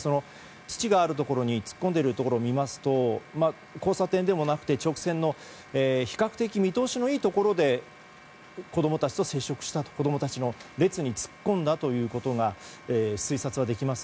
土があるところに突っ込んでいるところを見ますと交差点でもなくて直線の比較的見通しのいいところで子供たちの列に突っ込んだということが推察はできます。